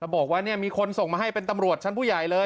บอกว่ามีคนส่งมาให้เป็นตำรวจชั้นผู้ใหญ่เลย